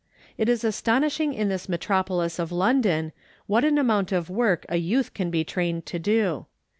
It is astonishing in this metropolis of London what an amount of work a youth can be trained to do.